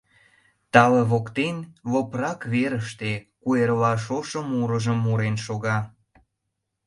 Тале воктен, лопрак верыште, куэрла шошо мурыжым мурен шога.